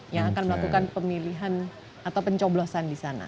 yang akan melakukan pemilihan atau pencoblosan di sana